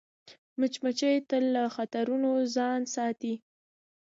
مچمچۍ تل له خطرونو ځان ساتي